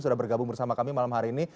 sudah bergabung bersama kami malam hari ini